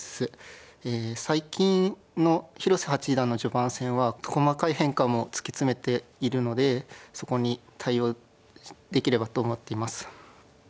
最近の広瀬八段の序盤戦は細かい変化も突き詰めているのでそこに対応できればと思っています。